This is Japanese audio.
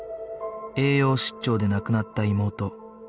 栄養失調で亡くなった妹洋子さん